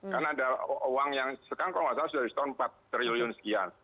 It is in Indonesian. karena ada uang yang sekarang kalau nggak salah sudah di setoran empat triliun sekian